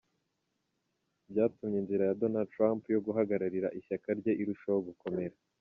Byatumye inzira ya Donald Trump yo guhagararira ishyaka rye irushaho gukomera.